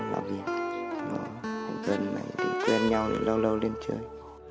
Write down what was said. làm việc gần lại đi quen nhau lâu lâu lên chơi